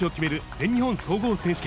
全日本総合選手権。